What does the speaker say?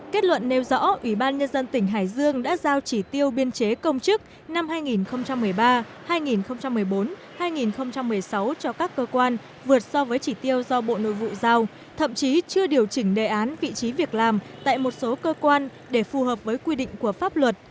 kết luận nêu rõ ủy ban nhân dân tỉnh hải dương đã giao chỉ tiêu biên chế công chức năm hai nghìn một mươi ba hai nghìn một mươi bốn hai nghìn một mươi sáu cho các cơ quan vượt so với chỉ tiêu do bộ nội vụ giao thậm chí chưa điều chỉnh đề án vị trí việc làm tại một số cơ quan để phù hợp với quy định của pháp luật